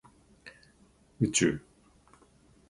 宇宙